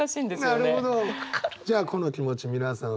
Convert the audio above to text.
じゃあこの気持ち皆さん